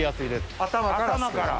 頭から。